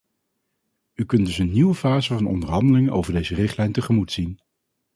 U kunt dus een nieuwe fase van onderhandelingen over deze richtlijn tegemoet zien.